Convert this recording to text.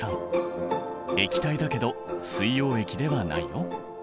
液体だけど水溶液ではないよ。